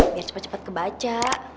biar cepat cepat kebaca